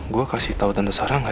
gue kasih tau tante sarah gak ya